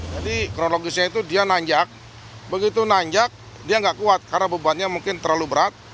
jadi kronologisnya itu dia nanjak begitu nanjak dia tidak kuat karena bebannya mungkin terlalu berat